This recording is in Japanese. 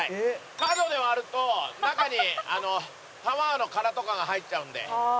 角で割ると中に卵の殻とかが入っちゃうんで。